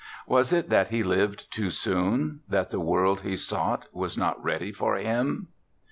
Was it that he lived too soon, that the world he sought was not ready for him?